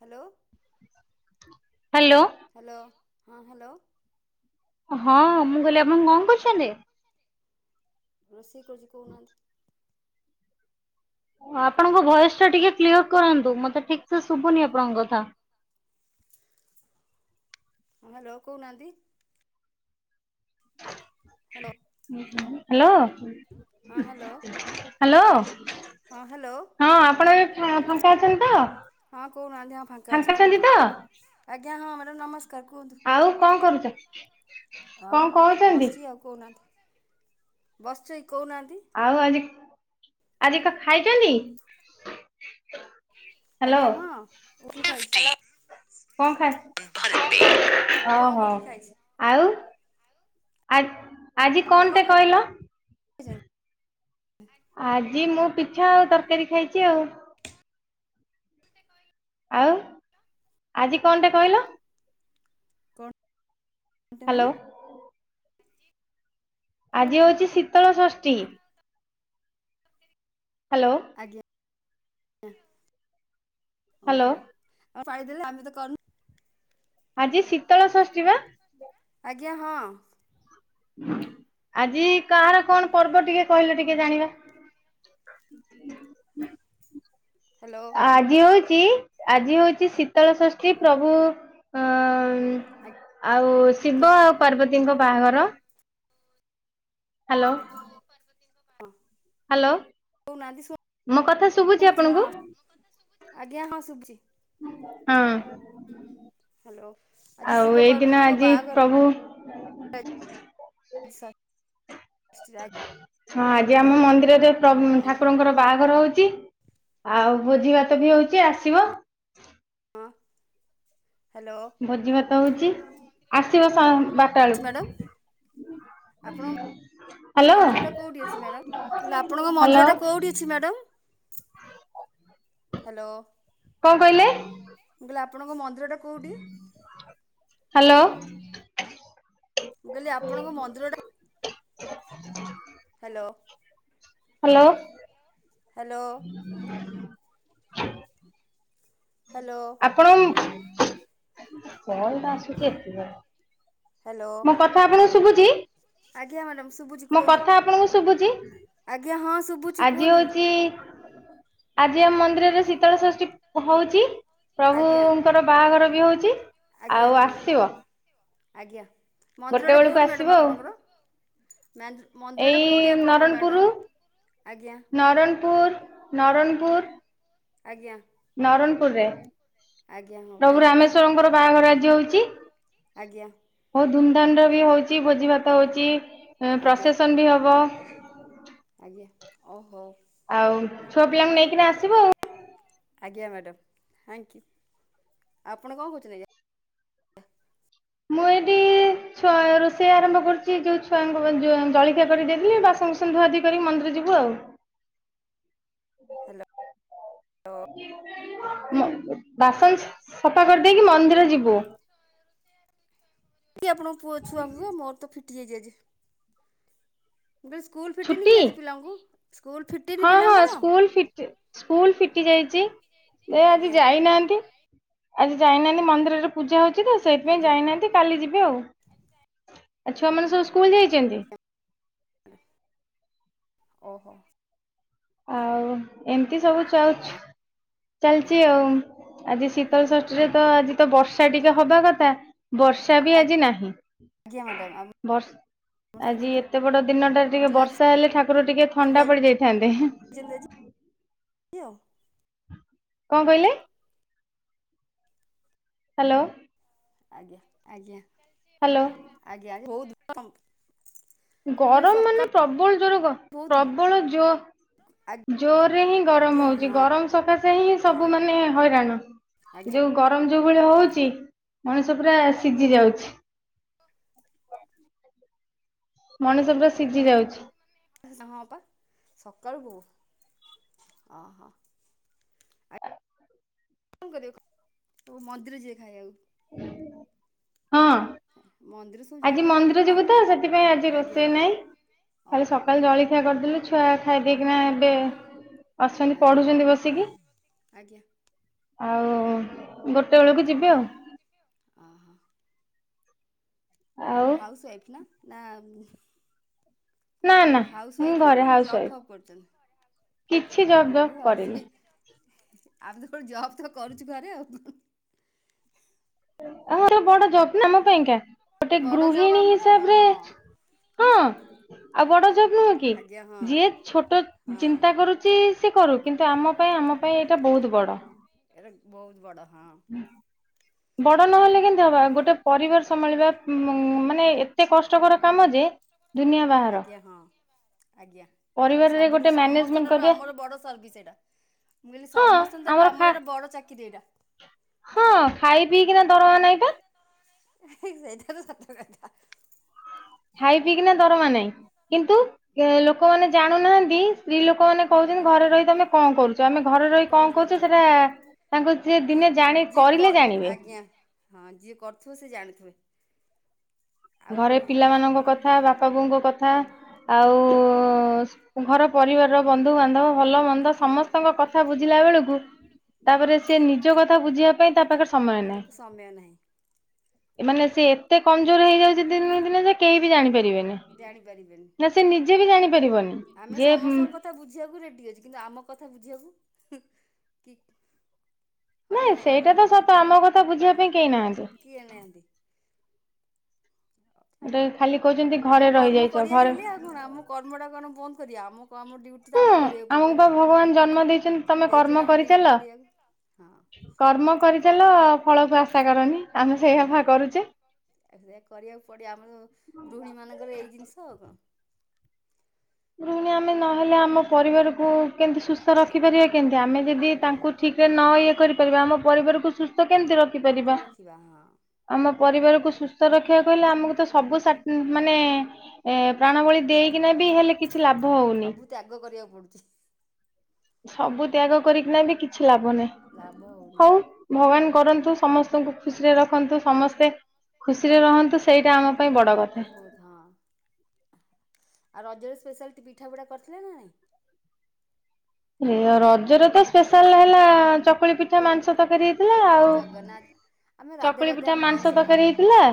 Hello. Hello. Hello ହଁ hello. ହଁ ମୁଁ କହିଲି ଆପଣ କଣ କରୁଚନ୍ତି? ରୋଷେଇ କରୁଚି କହୁନାହାନ୍ତି। ଆପଣଙ୍କ ଭଏସ୍ ଟା ଟିକେ କ୍ଲିୟର କରନ୍ତୁ ମତେ ଠିକ୍ ସେ ଶୁଭୁନି ଆପଣଙ୍କ କଥା। ହଁ ଲ କୋହୁନାହାନ୍ତି। ହାଲୋ। ହାଲୋ। ହାଲୋ ହଁ ଆପଣ ଏବେ ହଁ ଫାଙ୍କା ଅଛନ୍ତି ତ? ହଁ କହୁନାହାନ୍ତି ହଁ ଫାଙ୍କା ଅଛି ଅଛନ୍ତି କୁହନ୍ତୁ ତ ଆଜ୍ଞା ହଁ ମ୍ୟାଡ଼ାମ୍ ନମସ୍କାର କୁହନ୍ତୁ? ଆଉ କଣ କରୁଚ? ଆଁ ବସିଚି ଆଉ କହୁନାହାନ୍ତି ବସିଚି କହୁନାହାନ୍ତି। ଆଉ ଆଜି ଆଜି କଣ ଖାଇଚନ୍ତି? ଆଜ୍ଞା ହଁ। କଣ ଖାଇ [unintelligible] ଉପମା ଓହୋ [unintelligible] ଖାଇଚି। ଆଉ ଆ ଆଜି କଣ ଟେ କହିଲ? [unintelligible] ଆଜି ମୁଁ ପିଠା ଆଉ ତରକାରୀ ଖାଇଚି ଆଉ। ଆଉ ଆଜି କଣଟେ କହିଲ? ଅଣ୍ଟ ମାନେ ହ୍ୟାଲୋ। ଆଜି ହଉଚି ଶୀତଳ ଷଷ୍ଠି। [unintelligible] ହାଲୋ। ଆଜ୍ଞା ହ୍ୟାଲୋ ଓହୋ ଆଉ ପାଇଦେଲେ ଆମେ ତ କରିନୁ। ଆଜି ଶୀତଳ ଷଷ୍ଠି ବା। ଆଜ୍ଞା ହଁ। ଆଜି କାହାର କଣ ପର୍ବ ଟିକେ କହିଲେ ଟିକେ ଜାଣିବା। ହାଲୋ। ଆଜି ହଉଚି, ଆଜି ହଉଚି ଶୀତଳ ଷଷ୍ଠୀ ପ୍ରଭୁ ଅ ଆଉ ଆଜ୍ଞା ଶିବ ପାର୍ବତୀଙ୍କ ବାହାଘର। ହାଲୋ। ଶିବ ପାର୍ବତୀଙ୍କ ବାହା ହାଲୋ, ମୋ କଥା ଶୁଭୁଚି ଶୁଣୁଛି ହଁ ଆପଣଙ୍କୁ? ଆଜ୍ଞା ହଁ ଶୁଭୁଛି ହଁ। ହ୍ୟାଲୋ ଆଜି ଆଉ ଶିବ ଏଇଦିନ ପାର୍ବତୀଙ୍କ ଆଜି ବାହାଘର ପ୍ରଭୁ ଇ ସା। ହଁ ଆଜି ଆମ ମନ୍ଦିରରେ ପ୍ରଭୁ ହଁ ଠାକୁରଙ୍କର ବାହାଘର ହଉଚି। ଆଉ ଭୋଜି ଭାତ ବି ହଉଚି, ଆସିବ। ଅଁ ଭୋଜି ଭାତ ହଉଚି, ଆସିବ ବାରଟା ଅଛି ମ୍ୟାଡ଼ାମ୍ ବେଳକୁ। ଆପଣଙ୍କ ହ୍ୟାଲୋ ମନ୍ଦିର ଟା କୋଉଠି ଅଛି ମ୍ୟାଡ଼ାମ୍ ମୁଁ ଆପଣଙ୍କ ହ୍ୟାଲୋ ମନ୍ଦିର ଟା କୋଉଠି? ଛି ମ୍ୟାଡ଼ାମ୍। ହାଲୋ। କଣ କହିଲେ? ମୁଁ କହିଲି ଆପଣଙ୍କ ମନ୍ଦିଟା କୋଉଠି? ହାଲୋ। ମୁଁ କହିଲି ଆପଣଙ୍କ ମନ୍ଦିରଟା ହାଲୋ। ହାଲୋ। ହାଲୋ। [inaudible] ହାଲୋ। ଆପଣ ମ୍ କଲ୍ ଆସୁଚି ଏତେ ଜ ହାଲୋ। କଥା ଆପଣଙ୍କୁ ଶୁଭୁଚି, ମ୍ୟାଡ଼ାମ୍ ଶୁଭୁଛି ମୋ କୁହନ୍ତୁ। କଥା ଆପଣଙ୍କୁ ଶୁଭୁଚି? ଆଜ୍ଞା ହଁ ଶୁଭୁଛି ଆଜି କୁହନ୍ତୁ ହଉଚି ଆଜି ଆମ ମନ୍ଦିରରେ ଶୀତଳ ଷଷ୍ଠୀ ହଉଚି ଆଜ୍ଞା ପ୍ରଭୁଙ୍କର ବାହାଘର ବି ହଉଚି। ଆଜ୍ଞା ଆଉ ହଁ ଆସିବ। ଆଜ୍ଞା, ଗୋଟେ ମନ୍ଦିରଟା ବେଳକୁ କୋଉଠି ଆସିବ ମ୍ୟାଡ଼ମ୍ ଆଉ ଆପଣଙ୍କର, ମ୍ୟା ଏଇ ନରଣପୁର, ଆଜ୍ଞା ନରଣପୁର, ନରଣପୁର। ଆଜ୍ଞା। ନରଣପୁରରେ ଆଜ୍ଞା ହଉ ପ୍ରଭୁ ଠିକ୍ ଅଛି ରାମେଶ୍ଵରଙ୍କର ବାହାଘର ଆଜି ହଉଛି। ଆଜ୍ଞା। ବହୁତ ଧୁମଧାମ ର ବି ହଉଛି ଭୋଜି ଭାତ ହଉଛି ଆଜ୍ଞା ପ୍ରସେସନ ବି ହବ। ଆଜ୍ଞା ଓ ହୋ। ଆଉ ଛୁଆ ପିଲାଙ୍କୁ ନେଇକିନା ଆସିବୁ ଆଉ। ଆଜ୍ଞା ମ୍ୟାଡ଼ାମ୍, ଥାଙ୍କୟୁ ଆପଣ କଣ କହୁଛନ୍ତି? ମୁଁ ଏଠି ଛୁଆ ରୋଷେଇ ଆରମ୍ଭ କରୁଛି ଯୋଉ ଛୁଆଙ୍କୁ ଜଳଖିଆ କରିଦେଲି ବାସ ଧୁଆ ଧୁଇ କରି ମନ୍ଦିର ଯିବୁ ଆଉ। ହ୍ୟାଲୋ। ବାସନ ସଫା କରିଦେଇକି ମନ୍ଦିର ଯିବୁ। ଏ ଆପଣଙ୍କୁ ପୁଅ ଛୁଆକୁ ମୋର ତ ଫିଟିଯାଇଛି ଆଜି। ମୁଁ କ ସ୍କୁଲ ଫିଟିନି ଛୁଟି କି ଆଜି ପିଲାଙ୍କୁ ସ୍କୁଲ ଫି ହଁ ହଁ ସ୍କୁଲ ଫିଟି ସ୍କୁଲ ଫିଟି ଯାଇଛି ଆଜି ଆଜ୍ଞା ଯାଇନାହାନ୍ତି। ଆଜି ଯାଇନାହାନ୍ତି ମନ୍ଦିରରେ ପୂଜା ହଉଛି ତ ସେଇଥିପାଇଁ ଆଜ୍ଞା ଯାଇନାହାନ୍ତି। କାଲି ଯିବେ ଆଉ ଆଉ ଛୁଆ ମାନେ ସବୁ ସ୍କୁଲ ଯାଇଛନ୍ତି? ଓହୋ। ଆଉ ଏମିତି ସବୁ ଚାଛ ଚାଲିଛି ହଁ ଆଉ। ଆଜି ଶୀତଳ ଷଷ୍ଠୀରେ ତ ଆଜି ତ ବର୍ଷା ଟିକେ ହବା କଥା ବର୍ଷା ବି ଆଜି ନାହିଁ। ଆଜ୍ଞା ମ୍ୟାଡ଼ାମ। ବର୍ଷ ଆଜି ଏତେ ବଡ ଦିନଟା ଟିକେ ଫିଟିଲା ଆଜି ବର୍ଷା ହେଲେ ଠାକୁର ଟିକେ ସବୁ ଥଣ୍ଡା ପଡିଯାଇଥାନ୍ତେ। [unintelligible] ଆଉ। କଁ କହିଲେ? ହ୍ୟାଲୋ। ଆଜ୍ଞା ଆଜ୍ଞା। ହ୍ୟାଲୋ। ଆଜ୍ଞା [unintelligible] କହିଲି ଗରମ ମାନେ ସକାଳୁ ପ୍ରବଳ ଜର କ ବହୁତ ପ୍ରବଳ ଯୋ ଜୋରରେ ହିଁ ଗରମ ଆଜ୍ଞା ହଉଛି ହଁ ଗରମ ସକାଶେ ହିଁ ହଁ ସବୁ ମାନେ ହଇରାଣ। ଏ ଆଜ୍ଞା ଯଉ ଗରମ ଯଉ ଭଳି ହଉଚି ମଣିଷ ପୁରା ସିଜି ଯାଉଚି। [inaudible] ମଣିଷ ପୁରା ସିଜି ଯାଉଚି। ହଁ ପା ସକାଳୁ। [unintelligible] ଆ କଣ କରିବ ସବୁ ମନ୍ଦିର ଯିବେ ଖାଇବାକୁ। ହଁ। ମନ୍ଦିର ସ ଆଜି ମନ୍ଦିର ଯିବୁ ତ ସେଥିପାଇଁ ଆଜି ଆଜ୍ଞା ରୋଷେଇ ନାଇଁ ଖାଲି ଓହୋ ସକାଳେ ଜଳଖିଆ କରିଦେଲୁ ଛୁଆ ଖାଇଦେଇକିନା ଏବେ ଅଛନ୍ତି ଆଜ୍ଞା ପଢୁଚନ୍ତି ବସିକି। ଆଜ୍ଞା ଆଉ ଗୋଟେ ବେଳକୁ ଯିବି ଆଉ। ଅ ହୋ। ଆପଣ ଆଉ ହାଉସ୍ ୱାଇଫ୍ ନା- ନା ମୁଁ ନା ନା କହିଲି ହାଉସ୍ ମୁଁ ୱାଇଫ୍ ନା ଘରେ କଣ ହାଉସ ଜବ୍ ୱାଇଫ ଫବ୍ କରୁଚନ୍ତି? ଆଜ୍ଞା କିଛି ଆଉ ଜବ୍ ମୁଁ ଜବ୍ ବି ହାଉସ୍ କରିନି ୱାଇଫ୍ ଆମ ତ ଗୋଟେ ଜବ୍ ତ କରୁଚୁ ଘରେ ଆଉ। ହ୍ୟାଲୋ। [unintelligible] ବଡ ଜବ୍ ନା ଆମ ପାଇଁକା ଗୋଟେ ବଡ଼ ଜବ୍ ଗୃହିଣୀ ଆମର ଆଉ କଣ ହିସାବରେ ହଁ ହଁ ଆଉ ବଡ ଜବ୍ ନୁହଁ କି ଆଜ୍ଞା ହଁ ଯିଏ ଛୋଟ ହଁ। ଚିନ୍ତା କରୁ ଚି ସେ କରୁ କିନ୍ତୁ ଆମ ପାଇଁ ଆମ ପାଇଁ ଏଇଟା ବହୁତ୍ ବଡ। ଏଇଟେ ବହୁତ୍ ବଡ ହଁ। ବଡ ନହେଲେ କେମତି ହବା ଓହୋ। ଗୋଟେ ପରିବାର ସମ୍ଭାଳିବା ଉଁ- ମାନେ ଏତେ କଷ୍ଟକର କାମ ଯେ ଦୁନିଆ ବାହାର ଆଜ୍ଞା ହଁ। ଆଜ୍ଞା। ଏଇଟା ପରିବାରରେ ସବୁଠୁ ଗୋଟେ ସମସ୍ତଙ୍କ ମ୍ୟାନେଜମେଣ୍ଟ ଠାରୁ କରିବା ଆମର ବଡ ସର୍ଭିସ୍ ଏଇଟା। ମୁଁ କହିଲି ହଁ ସମସ୍ତ ଠାରୁ ଖା ଆମର ଏଇଟା ବଡ ଚାକିରି ଏଇଟା। ହଁ ଖାଇ ପିଇକିନା ଦରମା ନାଇଁ ତ। ସେଇଟା ତ ସତ କଥା। ଖାଇ ପିଇକିନା ଦରମା ନାହିଁ କିନ୍ତୁ ଲୋକମାନେ ଜାଣିନାହାନ୍ତି ସ୍ତ୍ରୀ ଲୋକ କ ମାନେ କହୁଚନ୍ତି ଆଜ୍ଞା ଘରେ ରହି ତମେ କଣ କରୁଚ ଆମେ ଘରେ ରହି କଣ କରୁଚୁ ସେଟା ତାଙ୍କୁ ଯିଏ ଦିନେ ଜାଣି ଯିଏ କ କରିଲେ ଜାଣିବେ। ଆଜ୍ଞା ହଁ ଯିଏ କରୁଥିବ ସିଏ ଜାଣିଥିବେ। ଆଉ ଆଉ ଘରେ ହୁଁ ପିଲାମାନଙ୍କ କଥା ବାପା ବୋଉଙ୍କ କଥା ଆଉ ଘର ପରିବାର ର ବନ୍ଧୁବାନ୍ଧବ ଭଲ ମନ୍ଦ ହଁ। ସମସ୍ତଙ୍କ କଥା ଥା ବୁଝିଲା ବେଳକୁ ତାପରେ ସେ ନିଜ କଥା ବୁଝିବା ପାଇଁ ତା ପାଖରେ ସମୟ ନାହିଁ ତାକୁ ସମୟ ନାହିଁ। ଏମାନେ ସେ ଏତେ କମ୍ ଜୋର୍ ହେଇଯାଉ ଦିନକୁ ଦିନେ ସେ କେହି ବି ଜାଣିପାରିବେନି ଜାଣିପାରିବେନି ନା ସେ ନିଜେ ବି ଜାଣିପାରିବନି। ଆମେ ଯେ ସମସ୍ତଙ୍କ କଥା ବୁଝିବାକୁ ରେଡ୍ଡି ଅଛୁ କିନ୍ତୁ ଆମ କଥା ବୁଝିବାକୁ କି ହଁ ନାଇଁ ନା ସେଇଟା ମ୍ୟାଡ଼ାମ୍ ତ କୁହନ୍ତୁ ସତ ଆମ କଥା ବୁଝିବା ହଁ ପାଇଁ କେହି ନାହାନ୍ତି। କିଏ ନାହାନ୍ତି। ହଉ ଛାଡ ଗୋଟେ ଖାଲି କହୁଛନ୍ତି ଘରେ ଆମ କର୍ମ ରହିଯାଇଛ କରିବା ଘରେ ସେମିତି ଆଉ। ହଁ- ଆମ କର୍ମ ଟା କଣ ବନ୍ଦ କରିବା ଆମ କୁ ଆମ ଡିଉଟ୍ ତ ହଁ ଆମକୁ କରିବାକୁ ଆମକୁ ବା ପଡିବନା ଭଗବାନ ଜନ୍ମ ଦେଇଛନ୍ତି ତମେ କର୍ମ ଦେଇଚନ୍ତି ଆମକୁ ଡଉଟି କରିଚାଲ କରିବାକୁ। ହଁ କର୍ମ କରିଚାଲ କର୍ମ ଫଳକୁ ଆଶା କରନି। ଆମେ ସେଇଆପା ନାଇଁ କରୁଛେ। ସେଇଆ କରିବାକୁ ପଡିବ। ଆମର ଗୃହିଣୀ ମାନଙ୍କର ଏଇ ଜିନିଷ ଆଉ କଣ। ଗୃହିଣୀ ଆମେ ନହେଲେ ଆମ ପରିବାରକୁ କେମିତି ସୁସ୍ଥ ରଖିପାରିବା କେମତି ଆମେ ଯଦି ତାଙ୍କୁ ଠିକ୍ ରେ ହଁ ନ ଇଏ କରିପାରିବା ଆମ ପରିବାରକୁ ସୁସ୍ଥ କେମିତି ରଖିପାରିବା। ରଖିବା ହଁ ଆମ ପରିବାରକୁ ସୁସ୍ଥ ରଖିବା ହେଲେ ଆମକୁ ତ ସବୁ ସାଟ୍-‌ ମାନେ ଏ- ପ୍ରାଣବଳୀ ସବୁ ଦେଇକିନା ବି ହେଲେ କିଛି ଲାଭ ହଉନି? ସବୁ ତ୍ୟାଗ କରିବାକୁ ପଡ଼ୁଛି। ସବୁ ତ୍ୟାଗ କରିକିନା ବି କିଛି ଲାଭ ନାହିଁ। ଲାଭ ହଉନି। ହଉ ଭଗବାନ କରନ୍ତୁ ସମସ୍ତଙ୍କୁ ଖୁସିରେ ରଖନ୍ତୁ। ସମସ୍ତେ ଖୁସିରେ ରହନ୍ତୁ। ସେଇଟା ଆମ ପାଇଁ ବଡ଼ କଥା। ବହୁତ ହଁ, ଆଉ ରଜରେ ସ୍ପେଶାଲିଟି ପିଠା ପୁ଼ଡ଼ା କରିଥିଲେ ନା ନାଇ? ଇଏ ରଜରେ ତ ସ୍ପେଶାଲ ହେଲା ଚପ୍ ଚକୁଳି ପିଠା, ମାଂସ ପୋଡ଼ପିଠା ତରକାରୀ ହେଇଥିଲା, ଆଉ ଜଗନ୍ନାଥ ଆମେ ରାଧେ ଚକୁଳି ରାଧେ ପିଠା, ଆମେ ଆଇଁଷ ମାଂସ ତରକାରୀ ଖାଉନୁ। ହେଇଥିଲା।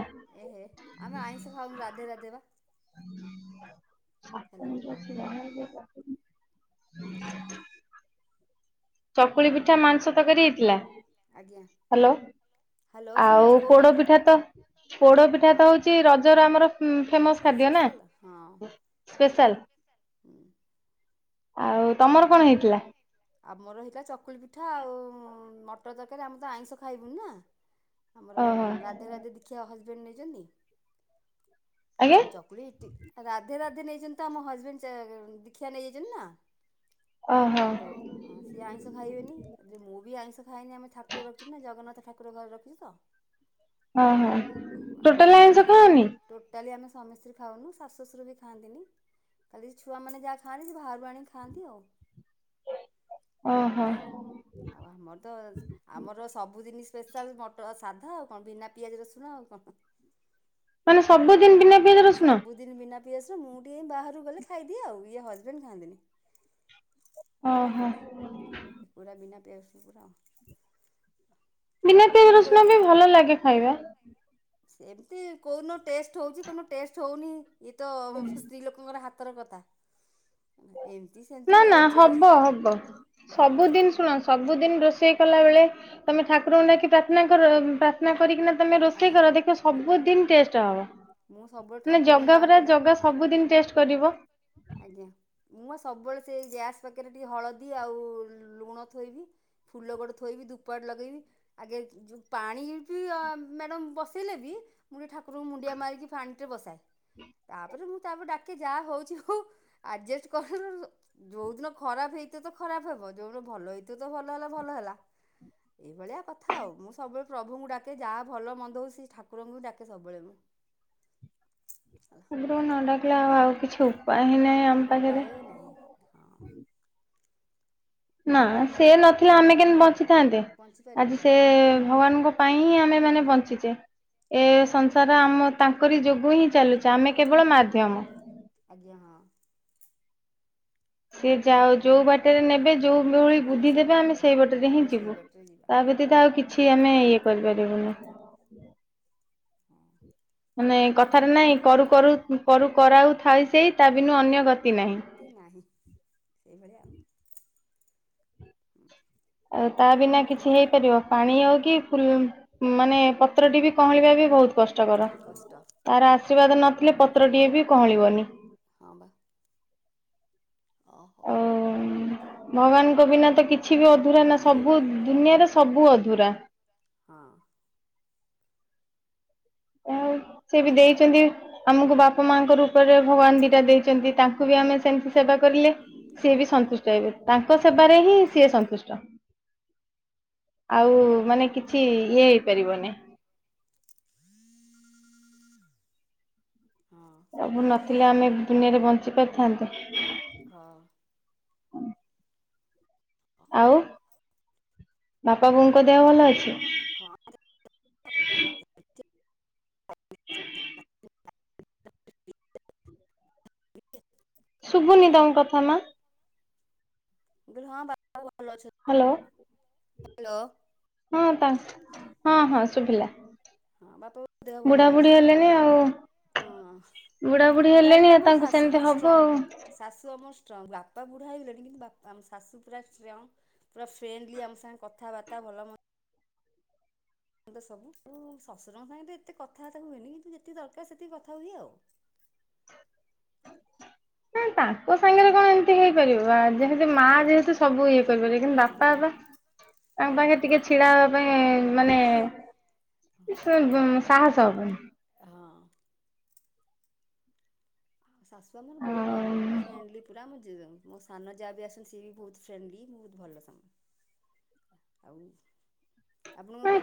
ଏହେ, ଆମେ ଆଇଁଷ ଖାଉନୁ, ରାଧେ ରାଧେ ବା। ହ୍ୟାଲୋ [unintelligible] ଚକୁଳି ପିଠା, ମାଂସ ତରକାରୀ ହେଇଥିଲା। ଆଜ୍ଞା ହାଲୋ। ହ୍ୟାଲୋ ଆଉ ଶୁଣୁଛି ପୋଡ଼ କହୁନାହାନ୍ତି ପିଠା ତ, ପୋଡ଼ ପିଠା ହଁ। ତ ହଉଛି, ରଜର ଆମର ଫେମସ୍‌ ଖାଦ୍ୟ ନା। ସ୍ପେଶାଲ ହଁ ସ୍ପେଶାଲ୍। ହୁଁ ହ ହ। ତମର କଣ ହେଇଛି? [unintelligible] ଆମର ହେଇଥିଲା ଚକୁଳି ପିଠା, ଆଉ ମଟର ତରକାରୀ, ଆମେ ତ ଆଇଁଷ ଖାଇବୁନି ନା? ଆମର ଓହୋ ରାଧେ ରାଧେ ଦୀଖ୍ୟା, ହଜବେଣ୍ଡ ନେଇଛନ୍ତି। ଆଜ୍ଞା ଆଉ ଚକୁଳି, ଇଟିଲି? ଓହୋ। ହାଲୋ? ଯେ ମୁଁ ବି ଆଇଁଷ ଖାଏନି। ଆମେ ଠାକୁର ରଖିଛୁ ନା ଜଗନ୍ନାଥ ଠାକୁର ଘରେ ରଖିଛୁ ତ। ଓହୋ। ଟୋଟାଲ ଆଇଁଷ ଖାଅନି? ଖାଲି ଆମେ ସ୍ୱାମୀ ସ୍ତ୍ରୀ ଖାଉନୁ, ଶାଶୁ ଶଶୁର ବି ଖାଆନ୍ତିିନି। ଖାଲି ଛୁଆମାନେ ଯାହା ଖାଆନ୍ତି। ସେ ବାହାରୁ ଆଣିକି ଖାଆନ୍ତି ଆଉ, ଓହୋ ଏମିତି ଆଉ। ଆଉ ଆମର ତ ଆମର ସବୁ ଦିନି ସ୍ପେସାଲ୍। [unintelligible] ସାଧା ଆଉ କଣ ବିନା ପିଆଜ ରସୁଣ ଆଉ କଣ? ମାନେ ସବୁଦିନ ବିନା ପିଆଜ ରସୁଣ? ଦିନ୍ ବିନା ପିଆଜ ରସୁଣ, ମୁଁ ଟିକେ ବାହାରୁକୁ ଗଲେ ଖାଇଦିଏ ଆଉ। ଇଏ ହଜବେଣ୍ଡ ଖାଆନ୍ତିିନି। ଓହୋ। ସେ ପୁରା ବିନା ପିଆଜ, ରସୁଣ ପୁରା ଆଉ। ବିନା ଆଉ ପିଆଜ, ପୁରୀ ରସୁଣ ଗଲେ ବି ଭଲ ଲାଗେ ଖାଇବା। ସେମିତି କୋଉ ଦିନ ଟେଷ୍ଟ ହୋଉଛି, କୋଉ ଦିନ ଟେଷ୍ଟ ହୋଉନି। ଇଏ ତ [unintelligible] ସ୍ତ୍ରୀ ଲୋକଙ୍କର ହାତର କଥା। ଏମିତି ସେମିତି ନା, ନା, ହେଇଯାଉଛି ଆଉ। ହବ, ହବ। ସବୁ ଦିନ୍, ଶୁଣ ସବୁ ଦିନ୍ ରୋଷେଇ କଲା ବେଳେ ତମେ ଠାକୁରଙ୍କୁ ଆଜ୍ଞା। ଡାକିକି ପ୍ରାର୍ଥନା କର? ପ୍ରାର୍ଥନା କରି କିନା ତମେ ରୋଷେଇ ଆଜ୍ଞା କର, ଦେଖିବ ସବୁ ଦିନ୍ ଟେଷ୍ଟ ହବ। ମୁଁ ସବୁବେଳେ ମାନେ ଠାକୁରଙ୍କ ଜଗା ପରା, ମାଆଙ୍କୁ ଡା ଜଗା ଆଜ୍ଞା। ସବୁ ଦିନ୍ ଟେଷ୍ଟ କରିବ। ଆଜ୍ଞା। ମୁଁ ପା ସବୁବେଳେ ସେଇ ଗ୍ୟାସ୍ ପାଖରେ ଟିକେ ହଳଦୀ ଆଉ ଲୁଣ ଥୋଇବି ଫୁଲ ଗୋଟେ ଥୋଇବି, ଧୂପ କାଠି ଲଗେଇବି, ଆଗେ ଯୋଉ ପାଣି ବି ଆଉ ମ୍ୟାଡ଼ାମ୍ ବସେଇଲେ ବି, ମୁଁ ତ ଠା କୁରଙ୍କୁ ମୁଣ୍ଡିଆ ମାରିକି, ପାଣି ଟିକେ ବସାଏ। ତାପରେ ମୁଁ ତାପରେ ଡାକି ଯାହା ହୋଉଛି ହୋଉ। ଆଡଜେଷ୍ଟ୍ କରି ଦବୁ। ଯୋଉ ଦିନ ଖରାପ୍ ହେଇଥିବ ତ ଖରାପ୍ ହେବ। ଯୋଉ ଦିନ ଭଲ ହେଇଥିବ ତ, ଭଲ ହେଲା ଭଲ ହେଲା। ଏଇ ଭଳିଆ କଥା ଆଉ। ମୁଁ ସବୁବେଳେ ପ୍ରଭୁଙ୍କୁ ଡାକେ ଯାହା ଭଲ ମନ୍ଦ ହୋଉଛି, ସେ ଠାକୁରଙ୍କୁ ବି ଡାକେ ସବୁବେଳେ ମୁଁ। ହେଲା ଠାକୁରଙ୍କୁ ନ ଡ଼ାକିଲେ ଆଉ, ଆଉ କିଛି ଉପାୟ ହିଁ ନାହିଁ ଆଉ। ଉପାୟ ହିଁ ନାହିଁ। ହଁ ନା, ସେ ନଥିଲେ ଆମେ ଆଜ୍ଞା କେମତି ବଞ୍ଚିଥାନ୍ତେ। ପହଞ୍ଚିପାରିବୁ ଆଜି ସେ ହଁ ଭଗବାନ୍‌ଙ୍କ ପାଇଁ ହିଁ ଆମେ ମାନେ ବଞ୍ଚିଚେ। ଏ ଆଜ୍ଞା ହଁ। ସଂସାର ଆମର ତାଙ୍କରି ଯୋଗୁଁ ହିଁ ଚାଲୁଚି। ଆମେ କେବଳ ମାଧ୍ୟମ। ଆଜ୍ଞା ହଁ। ସେ ଯାଉ ଯୋଉ ବାଟେରେ ନେବେ ଯୋଉ ଭଳି ବୁଦ୍ଧି ଦେବେ ଆମେ ସେଇ ବଟରେ ହିଁ ଆମେ ସେଇ ଯିବୁ। ବାଟରେ ଯିବା ତା ଆଜ୍ଞା ବ୍ୟତୀତ ଆଉ କି ଛି ଆମେ ଇଏ କରି ପାରିବୁନୁ। ହଁ। ମାନେ କଥାରେ ନାଇଁ କରୁ କରୁ କରୁ କରାଉ ଥାଏ ସେଇ ତା ବିନୁ ଅନ୍ୟ ଗତି ନାହିଁ। ତି ନାହି ସେଇ ଭଳିଆ ଆଉ। ହୁଁ। ଆଉ ତା ବିନା କିଛି ହେଇପାରିବ? ପାଣି ଆଉ କି ଫୁଲ୍ ମାନେ ପତ୍ରଟେ ବି କଅଁଳିବା ବି ବହୁତ୍ କଷ୍ଟକର। କଷ୍ଟ ତାର ଆଶ୍ରୀବାଦ ନଥିଲେ ପତ୍ରଟିଏ ବି କଅଁଳିବନି। ହଁ ବା। ଅ ହଉ। ଭଗ୍ ବାନଙ୍କ ବିନା ତ କିଛି ବି ଅଧୁରା ନା ସବୁ ହେଇପାରୁନି ହଁ ଦୁନିଆରେ ସବୁ ଅଧୁରା। ହଁ। ଏହା ହଉ। ସେ ବି ଦେଇଛନ୍ତି ଆମକୁ ବାପା ମାଆଙ୍କ ରୂପ୍ ପରେ ଭଗବାନ ଦିଟା ଦେଇଚନ୍ତି। ତାଙ୍କୁ ବି ଆମେ ସେମ୍ ତି ସେବା କରିଲେ ସିଏ ବି ହଁ। ସନ୍ତୁଷ୍ଟ ହେବେ। ତାଙ୍କ ସେବାରେ ହଁ ହିଁ ସିଏ ସନ୍ତୁଷ୍ଟ। ଆଉ ମାନେ କିଛି ଇଏ ହେଇ ପାରିବନି। [unintelligible] ପ୍ରଭୁ ନଥିଲେ ଆମେ ଦୁନିଆରେ ବଞ୍ଚି ପାର୍ ଥାନ୍ତେ? ହଁ। ଅ ହଉ। ଓ ବାପା ବୋଉଙ୍କ ଦେହ ଭଲ ଅଛି? ହଁ। [inaudible] [inaudible] ଶୁବୁନି ମୁଁ ତମ୍ କଥା ମା। ମୁଁ କହିଲି ହଁ। [inaudible] Hello hello. ହଁ ତା ହଁ ହଁ ଶୁଭିଲା। ହଁ ବାପାଙ୍କ ଦେହ ଭଲ ବୁଡାବୁଡୀ ଅଛି ହେଲେଣିି ଆଉ। ହଁ ବୁଡାବୁଡୀ ବୁଢା ହେଲେ ବି ହେଲେଣି ଆଉ ଆମ ତାଙ୍କୁ ଶାଶୁ ସେମ୍ ତି ବହୁତ ହବ ଷ୍ଟ୍ରଙ୍ଗ ଆଉ। ଶାଶୁ ଆମ ଷ୍ଟ୍ରଙ୍ଗ୍ ବାପା ବୁଢ଼ା ହେଇଗଲେଣି କିନ୍ତୁ ବାପ୍ ଆମ୍ ଶାଶୁ ପୁରା ଷ୍ଟ୍ରିୟଙ୍ଗ୍। ପୁରା ଫ୍ରେଣ୍ଡଲି ଆମ ସାଙ୍ଗେ କଥାବାର୍ତ୍ତା ଭଲ ମନ୍ ମୁ ତ ସବୁ ଉ ଶଶୁରଙ୍କ ସାଙ୍ଗେ ତେ ଏତେ କଥାବାର୍ତ୍ତା ହୁଏନି କିନ୍ତୁ ଯେତିକି ଦରକାର ସେତିକି କଥା ହୁଇଏ ଆଉ। ନା ତାଙ୍କ ସାଙ୍ଗେରେ କଣ ଏମ୍ ତି ହେଇ ପାରିବ ବା ଯେହେତୁ ମା ହୁଁ ଯେହେତୁ ସବୁ ଇଏ କରିପାରିବେ କିନ୍ତୁ ବାପା ଆଜ୍ଞା ବା ହଁ। ତାଙ୍କ୍ ପାଖେ ଟିକେ ଛିଡା ହବା ପାଇଁ ମାନେ ସୁ ବୁ ସାହସ ହବନି। ହଁ। ଆ ଶାଶୁ ଆମର ବହୁତ ଭଲ ପୁରା ଆଉ ଫ୍ରେଣ୍ଡଲି ପୁରା ଆମ ଯେ ଜା ମୋ ସାନ ଜାଆ ବି ଆସନ୍ ସିଏ ବି ବହୁତ ଫ୍ରେଣ୍ଡଲି ବହୁତ ଭଲ ସାଙ୍ଗ। ଆଉ ଆପଣଙ୍କ ପୁ?